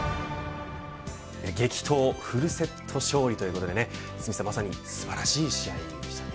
激闘、フルセット勝利ということでまさに素晴らしい試合でしたね。